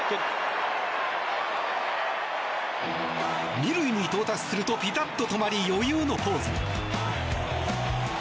２塁に到達するとピタッと止まり、余裕のポーズ。